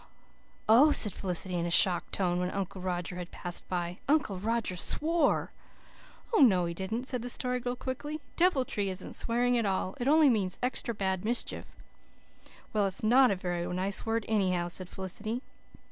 "Oh," said Felicity in a shocked tone, when Uncle Roger had passed by, "Uncle Roger SWORE." "Oh, no, he didn't," said the Story Girl quickly. "'Deviltry' isn't swearing at all. It only means extra bad mischief." "Well, it's not a very nice word, anyhow," said Felicity.